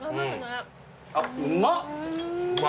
あっうま！